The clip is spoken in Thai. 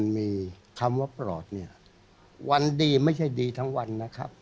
มีคำว่าปลอดเนี่ยวันดีไม่ใช่ดีทั้งวันนะครับ